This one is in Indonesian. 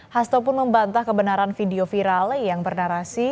hasto pun membantah kebenaran video viral yang bernarasi